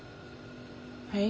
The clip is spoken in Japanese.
はい？